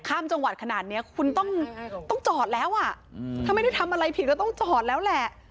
ข้ามจังหวัดขนาดเนี้ยคุณต้องจอดแล้วอ่ะถ้าไม่ได้ทำอะไรผิดก็ต้องจอดแล้วแหละ